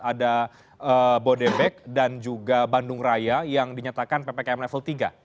ada bodebek dan juga bandung raya yang dinyatakan ppkm level tiga